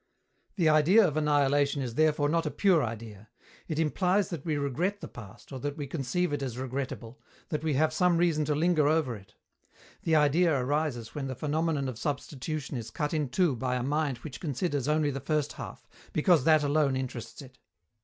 The idea of annihilation is therefore not a pure idea; it implies that we regret the past or that we conceive it as regrettable, that we have some reason to linger over it. The idea arises when the phenomenon of substitution is cut in two by a mind which considers only the first half, because that alone interests it.